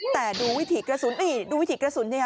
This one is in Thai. แต่ดูวิถีกระสุนนี่ดูวิถีกระสุนเนี่ย